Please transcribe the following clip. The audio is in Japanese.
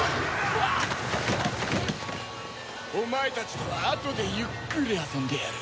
お前たちとはあとでゆっくり遊んでやる。